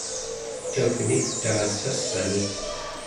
cagnitaa sass'ani